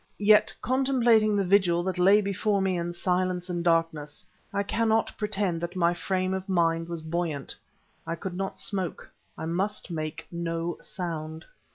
Yet, contemplating the vigil that lay before me in silence and darkness, I cannot pretend that my frame of mind was buoyant. I could not smoke; I must make no sound.